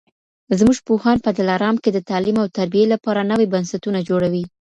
زموږ پوهان په دلارام کي د تعلیم او تربیې لپاره نوي بنسټونه جوړوي.